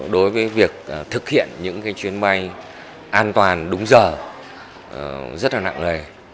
đối với việc thực hiện những chuyến bay an toàn đúng giờ rất là nặng nề